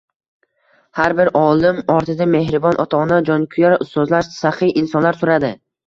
Har bir olim ortida mehribon ota-ona, jonkuyar ustozlar, saxiy insonlar turadi.